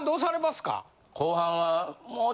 後半は。